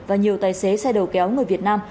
và nhiều tài xế xe đầu kéo người việt nam